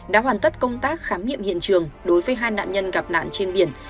đã hoàn tất công tác khám nghiệm hiện trường đối với hai nạn nhân gặp nạn trên biển